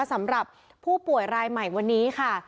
สำหรับผู้ป่วยรายใหม่วันนี้ค่ะ